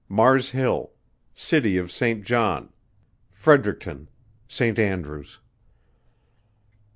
Mars Hill. City of St. John. Fredericton. St. Andrews.